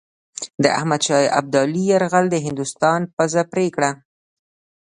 د احمدشاه ابدالي یرغل د هندوستان پزه پرې کړه.